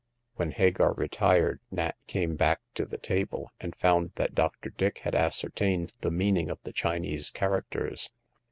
Wiien Hagar retired Nat came back to the table, and found that Dr. Dick had ascertained the meaning of the Chinese characters.